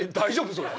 それ。